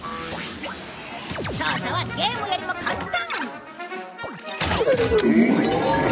操作はゲームよりも簡単！